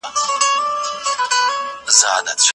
ډاکټران ازموینه سپارښتنه کوي.